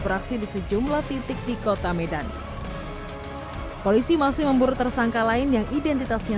beraksi di sejumlah titik di kota medan polisi masih memburu tersangka lain yang identitasnya